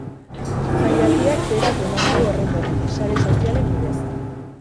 Jaialdiak berak eman du horren berri, sare sozialen bidez.